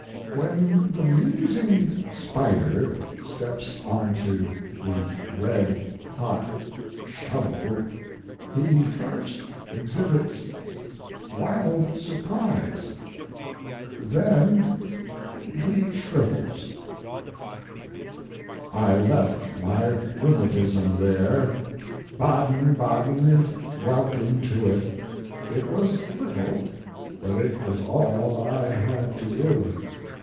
"When the musing spider steps on to the red hot shovel, he first exhibits wild surprise, then he shrivels. n * I left my rheumatism there. Baden Baden is welcome to it. It was little,; but it was all I had to give.